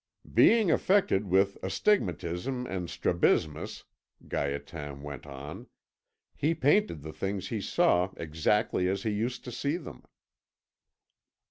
"Being afflicted with astigmatism and strabismus," Gaétan went on, "he painted the things he saw exactly as he used to see them."